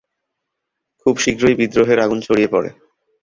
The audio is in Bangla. খুব শীঘ্রই বিদ্রোহের আগুন ছড়িয়ে পড়ে।